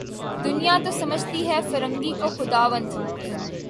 دنیا تو سمجھتی ہے فرنگی کو خداوند